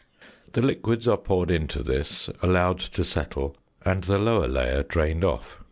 The liquids are poured into this, allowed to settle, and the lower layer drained off.